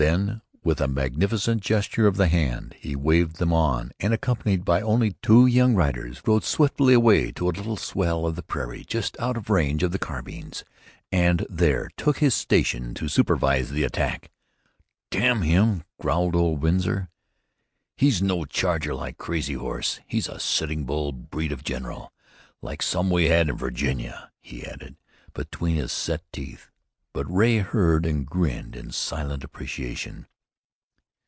Then, with a magnificent gesture of the hand, he waved them on and, accompanied by only two young riders, rode swiftly away to a little swell of the prairie just out of range of the carbines, and there took his station to supervise the attack. "Damn him!" growled old Winsor. "He's no charger like Crazy Horse. He's a Sitting Bull breed of general like some we had in Virginia," he added, between his set teeth, but Ray heard and grinned in silent appreciation.